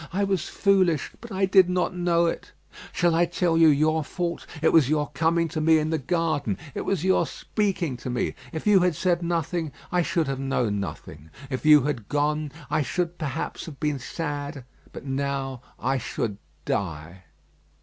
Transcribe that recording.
I was foolish; but I did not know it. Shall I tell you your fault? It was your coming to me in the garden; it was your speaking to me. If you had said nothing, I should have known nothing. If you had gone, I should, perhaps, have been sad, but now I should die.